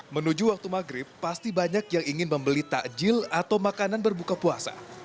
menuju waktu maghrib pasti banyak yang ingin membeli takjil atau makanan berbuka puasa